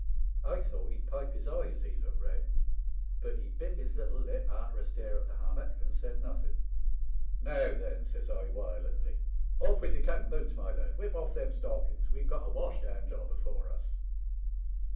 "I thought he'd pipe his eye as he looked round; but he bit his little lip, arter a stare at the hammock, and saidnothen. *'' Now, then,' says I wiolently, * oflf with your coat and boots, my lad ; whip off them stockings. We've got a wash down job afore us.'